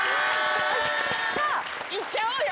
さあ言っちゃおうよ。